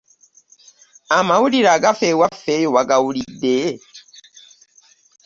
Amawulire agafa ewaffe eyo wagawulidde?